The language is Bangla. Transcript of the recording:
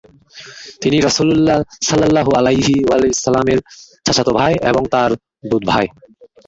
তিনি রাসূলুল্লাহ সাল্লাল্লাহু আলাইহি ওয়াসাল্লামের চাচাত ভাই এবং তাঁর দুধভাই।